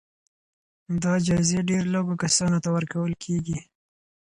دا جايزې ډېر لږو کسانو ته ورکول کېږي.